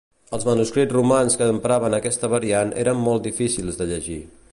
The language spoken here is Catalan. Els manuscrits romans que empraven aquesta variant eren molt difícils de llegir.